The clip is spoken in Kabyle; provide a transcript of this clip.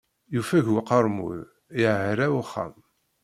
Yufeg uqermud, yeɛra uxxam.